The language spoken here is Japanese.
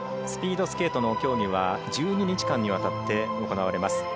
スピードスケートの競技は１２日間にわたって行われます。